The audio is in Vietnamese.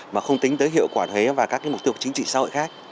mà không tính tới hiệu quả thuế và các mục tiêu chính trị xã hội khác